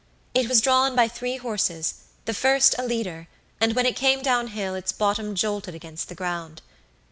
It was drawn by three horses, the first a leader, and when it came down hill its bottom jolted against the ground.